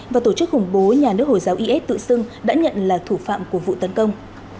và tổ chức khủng bố nhà nước hồi giáo is tự xưng đã nhận là thủ phạm của vụ tấn công